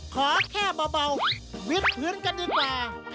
ขอแค่เบาวิดพื้นกันดีกว่า